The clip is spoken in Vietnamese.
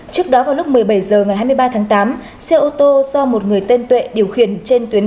trước đó vào lúc một mươi bảy h ngày hai mươi ba tháng tám xe ô tô do một người tên tuệ điều khiển trên tuyến